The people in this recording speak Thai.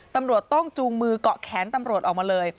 ตำรวจต้องจูงมือเกาะแขนตำรวจออกมาเลย